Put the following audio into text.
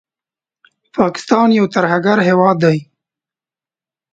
پاکستان یو ترهګر هیواد دي